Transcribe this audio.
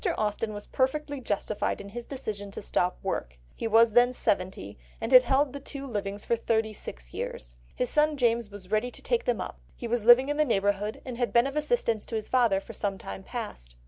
Austen was perfectly justified in his decision to stop work; he was then seventy, and had held the two livings for thirty six years, his son James was ready to take them up, he was living in the neighbourhood, and had been of assistance to his father for some time past.